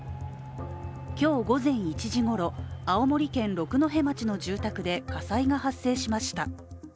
今日午前１時ごろ、青森県六戸町の住宅で火災が発生しました。